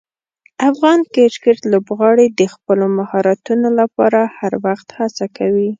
افغان کرکټ لوبغاړي د خپلو مهارتونو لپاره هر وخت هڅه کوي.